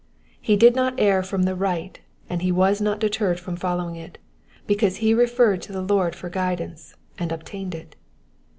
He did not err from the right, and he was not deterred from following it, because he referred to the Lord for guidance, and obtained it.